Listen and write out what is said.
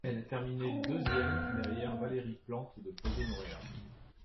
Elle a terminé deuxième derrière Valérie Plante de Projet Montréal.